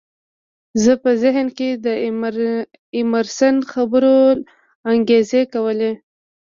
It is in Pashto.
زما په ذهن کې د ایمرسن خبرو انګازې کولې